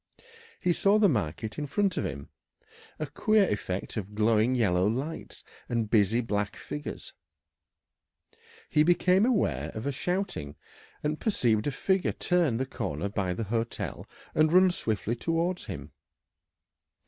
He saw the market in front of him a queer effect of glowing yellow lights and busy black figures. He became aware of a shouting, and perceived a figure turn the corner by the hotel and run swiftly towards him.